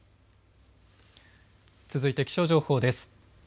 続いて気象情報です。